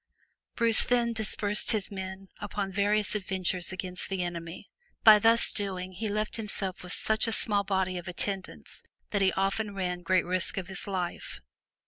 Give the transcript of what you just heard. Bruce then dispersed his men upon various adventures against the enemy, but by thus doing, he left himself with such a small body of attendants that he often ran great risk of his life.